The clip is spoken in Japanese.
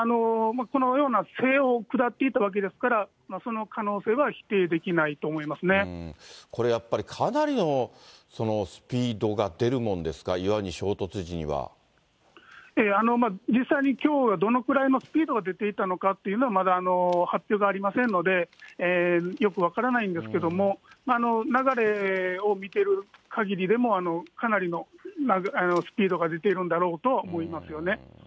そのような瀬を下っていったわけですから、その可能性は否定できこれやっぱり、かなりのスピードが出るもんですか、実際にきょう、どのくらいのスピードが出ていたのかというのは、まだ発表がありませんので、よく分からないんですけれども、流れを見てるかぎりでも、かなりのスピードが出ているんだろうとは思いますよね。